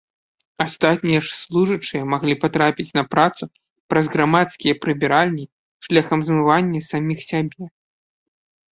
Астатнія ж служачыя маглі патрапіць на працу праз грамадскія прыбіральні шляхам змывання саміх сябе.